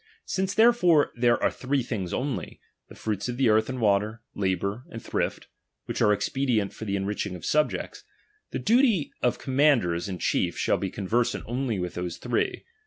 Since therefore ^H there are three things only, the fruits of the earth ^H and water, labour, and thrift, which are expedient ^H for the enriching of siibjects, the duty of command ^H ers in chief shall be conversant only about those ^H three.